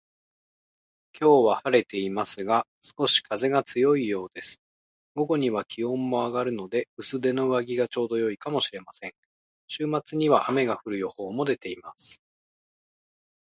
今日は晴れていますが、少し風が強いようです。午後には気温も上がるので、薄手の上着がちょうど良いかもしれません。週末には雨が降る予報も出ています